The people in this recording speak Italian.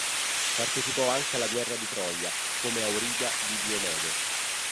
Partecipò anche alla guerra di Troia come auriga di Diomede.